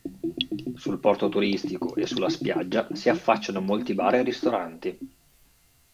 Sul porto turistico e sulla spiaggia si affacciano molti bar e ristoranti.